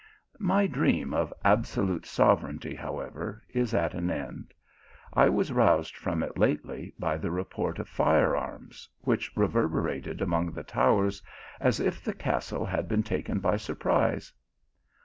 My dream of absolute sovereignty, however, is at an end : I was roused from it lately by the report of fire arms, which reverberated among the towers .is il the castle had been taken by surprise.